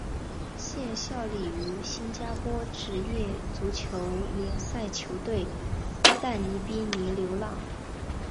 现效力于新加坡职业足球联赛球队淡滨尼流浪。